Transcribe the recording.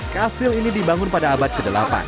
kastil ini dibangun pada abad ke delapan